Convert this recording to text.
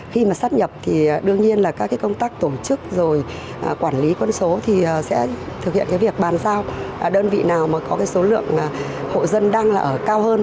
khi mà sắp nhập thì đương nhiên là các công tác tổ chức rồi quản lý quân số thì sẽ thực hiện việc bàn giao đơn vị nào mà có số lượng hộ dân đang ở cao hơn